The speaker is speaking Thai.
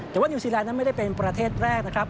แต่ว่านิวซีแลนดนั้นไม่ได้เป็นประเทศแรกนะครับ